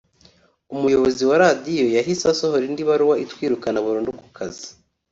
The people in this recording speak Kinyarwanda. umuyobozi wa radiyo yahise asohora indi baruwa itwirukana burundu ku kazi